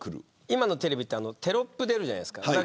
今のテレビはテロップが出るじゃないですか。